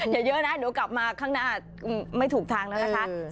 อย่าเยอะนะเดี๋ยวกลับมาข้างหน้าไม่ถูกทางแล้วนะคะ